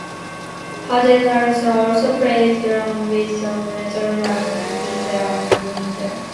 Harden Harrison also plays drums with the metal bands Speedealer and Mitra.